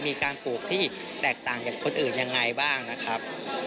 มีการปลูกที่แตกต่างจากคนอื่นยังไงบ้างนะครับ